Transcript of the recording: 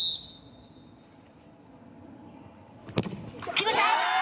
決めた！